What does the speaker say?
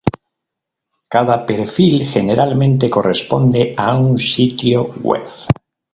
Cada perfil generalmente corresponde a un sitio web.